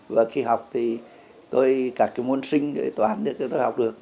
và khi học thì tôi các cái môn sinh để toán để tôi học được